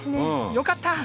よかった。